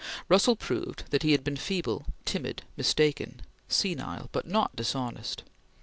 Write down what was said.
Russell proved that he had been feeble, timid, mistaken, senile, but not dishonest.